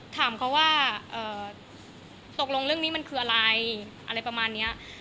ถามเขาว่าตกลงเรื่องนี้มันคืออะไรอะไรประมาณนี้